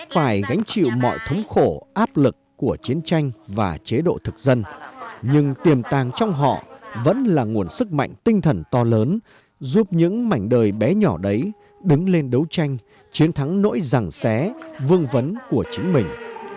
phải gánh chịu mọi thống khổ áp lực của chiến tranh và chế độ thực dân nhưng tiềm tàng trong họ vẫn là nguồn sức mạnh tinh thần to lớn giúp những mảnh đời bé nhỏ đấy đứng lên đấu tranh chiến thắng nỗi rằng xé vương vấn của chính mình